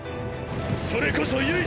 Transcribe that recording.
それこそ唯一！！